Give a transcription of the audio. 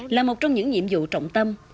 là một trong những nhiệm vụ trọng tâm